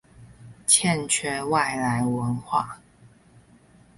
欠缺外來文化